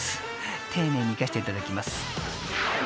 丁寧にいかせていただきます］